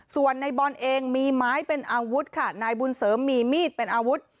ส่วนในบอลเองมีไม้เป็นอาวุธค่ะนายบุญเสริมมีมีดเป็นอาวุธ